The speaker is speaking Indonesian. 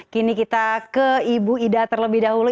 kini kita ke ibu ida terlebih dahulu